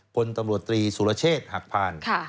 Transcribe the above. พลตำรวจตรีศุระเชษหักพาน